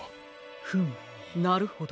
フムなるほど。